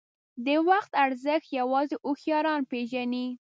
• د وخت ارزښت یوازې هوښیاران پېژني.